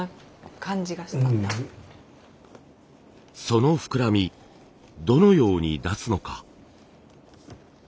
その膨らみどのように出すのか。